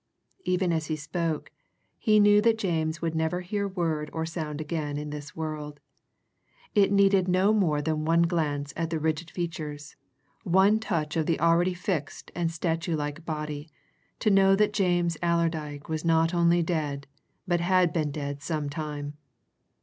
Even as he spoke, he knew that James would never hear word or sound again in this world. It needed no more than one glance at the rigid features, one touch of the already fixed and statue like body, to know that James Allerdyke was not only dead, but had been dead some time.